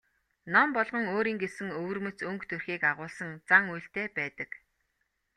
Ном болгон өөрийн гэсэн өвөрмөц өнгө төрхийг агуулсан зан үйлтэй байдаг.